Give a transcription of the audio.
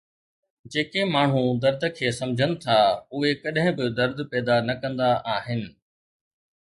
جيڪي ماڻهو درد کي سمجهن ٿا اهي ڪڏهن به درد پيدا نه ڪندا آهن